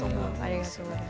ありがとうございます。